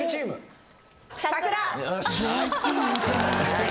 はい。